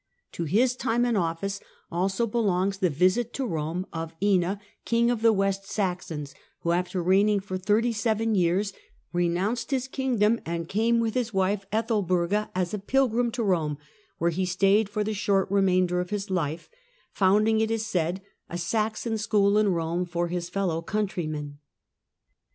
To his time of office also belongs the visit to Rome of Ina, king of the West Saxons, who, after reigning for thirty seven years, renounced his kingdom and came with his wife Ethelburga as a pilgrim to Rome, where he stayed for the short remainder of his life, founding, it is said, a Saxon school in Rome for his fellow countrymen.